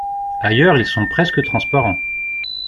Ailleurs ils sont presque transparents.